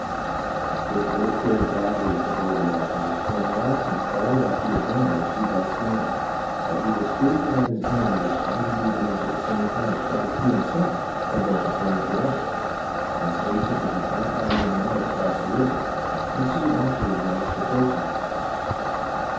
It would have fared badly with the bold Americans if Cornwallis had followed up the advantage he thus gained, but he was fearful that his enemy was trying to lead him into the same kind of a trap he himself had been pre paring for them, and so he took his entire army in the night across the river, and soon afterward marched to Portsmouth.